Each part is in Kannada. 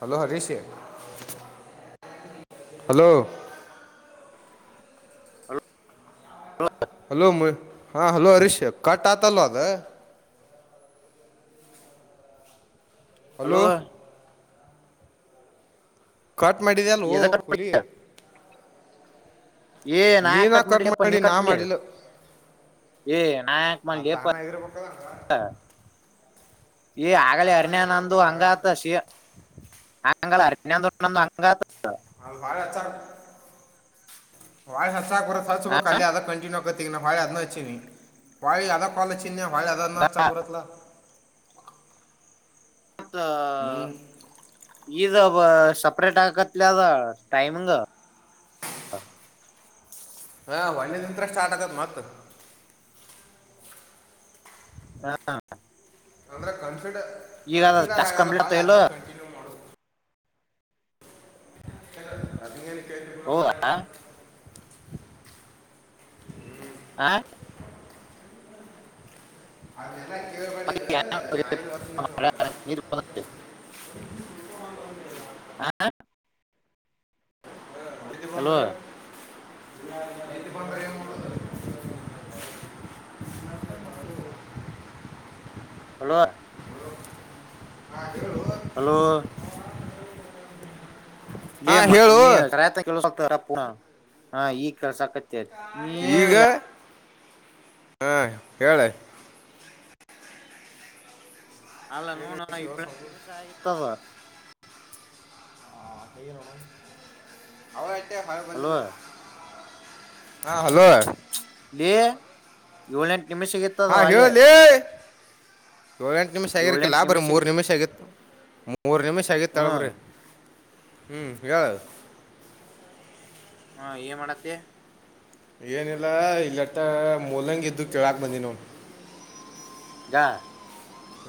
ಹಲೋ ಹರಿಶ ಹಲೋ ಹಲೋ ಹಾ ಹಲೋ ಹರೀಶ್ ಕಟ್ ಆತಲ್ಲ ಅದ ಹಲೋ ಕಟ್ ಮಾಡಿದ ಅಲ್ಲ ಓ ಎದ ಕಟ್ ಹುಲಿಯೇ ಏ ನಾಯಕ ನೀನಾ ಕಟ್ ಮಾಡಲಿಪ್ಪ ನೀ ಮಾಡಿ ನಾ ಕಟ್ ಮಾಡ ಮಾಡಿಲ್ಲ ಏ ನಾಯಕ ಅದು ಮಾಡಲಿಪ ತಾನ ಇರ್ಬೇಕಲ್ಲ ಹಂಗಾರ ಈ ಆಗಲ ತಾನ ಅರನೇ ನಂದು ಇರ್ಬೇಕಲ್ಲ ಹಂಗಾರ ಹಂಗತ ಶ ಹಂಗ ನ್ನ ಅ ತೊಂದು ಅಂಗ ಅ ಬಳೆ ಅಾರ ಹ ಹ [unintelligible] ಇದ ಸಪ್ರೇಟ್ ಆಾಕತ್ದ ಮಂಗ ಹಾ ಒಣ್ಣೆ ದತ್ರ ಸ್ಟಾರ್ಟ್ ಆಗದ ಮತ್ ಹಾ ಅಂದ್ರೆ ಕಣ ಕರ್ ಕನ್ಸಿಡರ್ ಟಾಸ್ಕ್ ಆಗಲ್ಲ ಕಂಪ್ಲೀಟ್ ಬ ಆತ ಇಲ್ಲೋ ಅದನ್ನ ಕಂಟಿನ್ಯೂ ಮಾಡದು ಹ ಅದ ಬಳ ಹೌದಾ ಹ ಅದೇ ಅವ್ನಿಗೆ. [unintelligible] ಆ ಇದು ಮಾ ಎಲ್ಲಿ ಪಂದಏ ಮೂಡ ಹಲೋ ಹಾ ಹೇಳು ಹಲೋ ಹಾ ನೀಮ್ಮ ಹೇಳು ನೀ ರತ ಹ ಹಾ ಈಗ್ ಕೆಲಸ ಆಕತ್ತೇರಿ ಈಗ ಹಾ ಹೇಳೆ ಅಲ್ಲ ನೋಣ ಶಿವ ಏಳೆಂಟು ಸ್ವಾಮಿ. ನಿಮಿಷ ಆಗಿತ್ತು ವಾ [unintelligible] ಹ ಅವರ [unintelligible] ಎ ಹಾರ ಹಲೋ ಬಲು [unintelligible] ಹಾ ಹಲೋ ಲೆ ಹಾ ಹೇಳಲಿಿ ಏಳ ಎಂಟು ನಿಮಿಷ ಏಳೆಂಟ್ ಆಗಿರ್ಕಿಲ್ಲಾಬ್ರಿ ನಿಮಿಷಗಿ ಮೂರ್ ನಿಮಿಷ ಆಗಿತ್ತು ಮೂರ್ ನಿಮಿಷ ಹ್ಮ್ ಆಗಿತ್ತಾಳಬ್ರಿ ಹ್ಮ್ ಹೇಳು ಹಾ ಏ ಮಾಡತ್ತೆ ಏನಿಲ್ಲ ಇಲ್ಲಟ್ಟ ಮೂಲಂಗಿದ್ದು ಕೇಳಾಕ್ ಬಂದೀನ್ ನೋಡ್ ಗಾ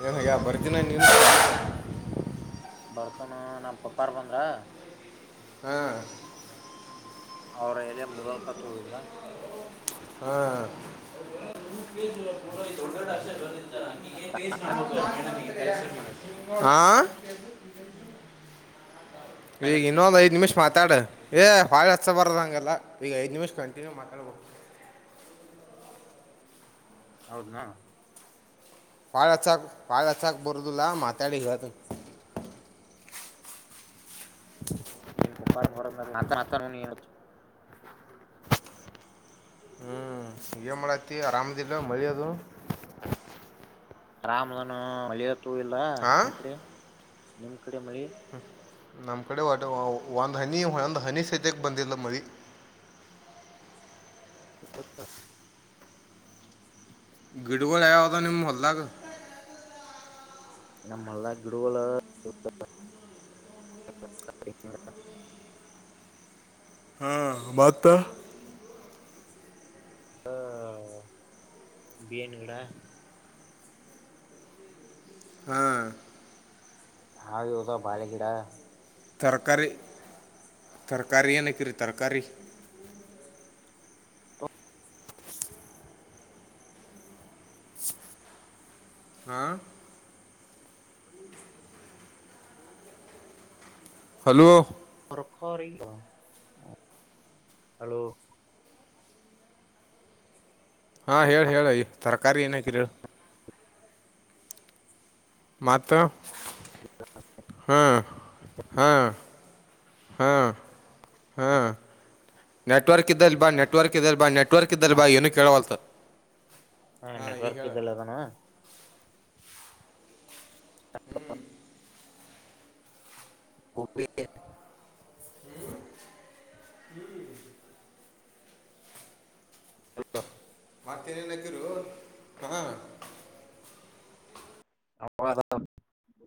ಏನಯ್ಯ ಬರ್ದಿನ ನೀ ಬರ್ತನು ನಮ್ಮ ಪಪ್ಪಾರ ಬಂದ್ರ. ಹ್ಮ ಅವ್ರ ಎಲೆ ಮೊದಲ್ ಕತ್ ಹೋಗಿದ್ರ. ಹಾ [unintelligible] ಹಾ ಈಗ ಆಮೇಲ್ ಹಚ್ಲಿ ಇನ್ನೊಂದ ಐದ್ ನಿಮಿಷ ಮಾತ್ ಮಾತಾಡ ಏ ಹೋಗ್ ಹಚ್ಚ ಬರದಂಗೆಲ್ಲ ಈಗ ಐದ್ ನಿಮಿಷ ಕಂಟಿನ್ಯೂ ಮಾತಾಡ್ಬೋದು. ಹೌದ್ನಾ? ಪಾಳ ಹಚ್ಚಕ್ ಪಾಳ ಅಚ್ಚಕ್ ಬರ್ದುಲ್ಲ ಮಾತಾಡಿ ಇರದು. [unintelligible] ಏನ್ ಪಪ್ಪಾರ ಹೊರ ಆತನ್ ಆತನ್ ನೀ ಹಚ್ಚ್ ಹ್ಮ್ ಏನ್ ಮಾಡತಿ ಆರಾಮದಿಲ್ಲ ಮಳಿಯದು? ಆರಾಮನು ಮಳಿಯ ತೋ ಇಲ್ಲ ಹಾಂ ನಿಮ್ಮ್ ಕಡೆ? ನಿಮ್ ಕಡೆ ಮಳಿ? ನಮ್ಮ ಕಡೆ ಒಟ ಒಂದ್ ಹನಿ ಒಂದ್ ಹನಿ ಸದ್ಯಕ್ಕೆ ಬಂದಿಲ್ಲ ಮಳಿ. [unintelligible] ಗಿಡಗಳ್ ಯಾವ್ ಅದಾವ್ ನಿಮ್ ಹೊಲ್ದಾಗ? ನಮ್ಮಲ್ಲಾ ಗಿಡುವಳು [unintelligible] ಹಾ ಮಾತ್ತ? ಹ ಬಿಯನು ಗಿಡ ಹ ಹಾಗ್ ಇದಾವ್ ಬಾಳೆಗಿಡ. ತರಕಾರಿ ತರಕಾರಿ ಏನಕ್ಕಿರಿ ತರಕಾರಿ? ಹಾ ಹಲೋ [unintelligible] ಹಲೋ ಹಾ ಹೇಳ ಹೇಳಯ ತರಕಾರಿ ಏನಾಕಿರಿ ಹೇಳ್? ಮತ್ತ ಹ್ಮ್ ಹಾ ಹಾ ಹಾ ನೆಟ್ವರ್ಕ್ ಇದ್ದಲ್ ಬಾ ನೆಟ್ವರ್ಕ್ ಇದೆಲ್ ಬಾ ನೆಟ್ ವರ್ಕ್ ಇದ್ದಲ್ ಬಾ ಏನು ಕೇಳುವಲ್ತ್. ಹಾ ನೆಟ್ವರ್ಕ್ ಇದ್ದಲ್ಲದುಣು [unintelligible] [inaudible] [unintelligible] ಮತ್ತ್ ಏನೇನ್ ಹಕ್ಕಿರೋ ಮಹ [unintelligible]